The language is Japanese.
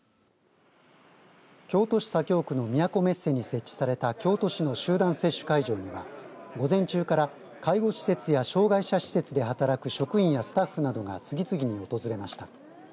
京都市左京区のみやこめっせに設置された京都市の集団接種会場には午前中から介護施設や障害者施設で働く職員やスタッフなどが次々に訪れました。